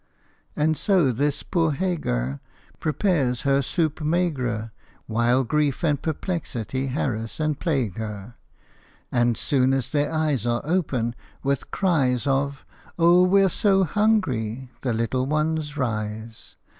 And so this poor Hagar Prepared her soupe maigre, While grief and perplexity harass and plague her. And soon as their eyes Are open, with cries Of " Oh, we 're so hungry !" the little ones rise.